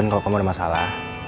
dan kalau kamu ada masalah